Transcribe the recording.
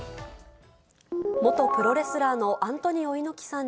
元プロレスラーのアントニオ猪木さんに、